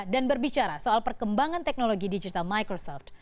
dan berbicara soal perkembangan teknologi digital microsoft